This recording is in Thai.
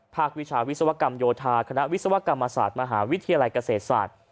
วิชาวิศวกรรมโยธาคณะวิศวกรรมศาสตร์มหาวิทยาลัยเกษตรศาสตร์